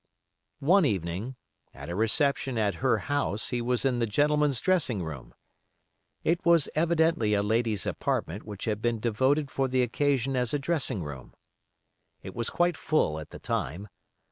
One evening, at a reception at her house, he was in the gentlemen's dressing room. It was evidently a lady's apartment which had been devoted for the occasion as a dressing room. It was quite full at the time.